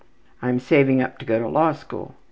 I'm saving it up to go to law school.